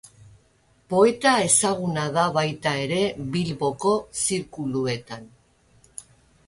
Poeta ezaguna da baita ere Bilboko zirkuluetan.